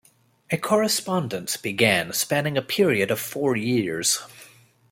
A correspondence began, spanning a period of four years.